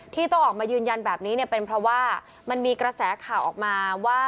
ที่ต้องออกมายืนยันแบบนี้เป็นเพราะว่ามันมีกระแสข่าวออกมาว่า